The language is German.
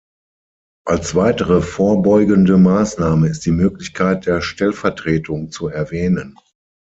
Als weitere vorbeugende Maßnahme ist die Möglichkeit der Stellvertretung zu erwähnen.